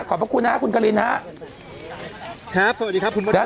ขอบพระคุณนะฮะคุณกะลินนะฮะครับสวัสดีครับคุณบริเวณ